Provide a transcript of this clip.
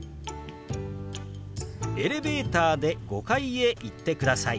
「エレベーターで５階へ行ってください」。